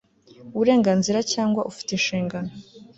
uburenganzira cyangwa ufite inshingano